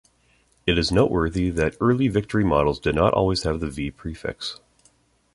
It is noteworthy that early Victory Models did not always have the V prefix.